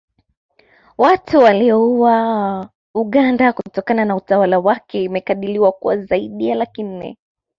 Watu waliouawa Uganda kutokana na utawala wake imekadiriwa kuwa zaidi ya laki nne